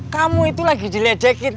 kamu itu lagi dilejekin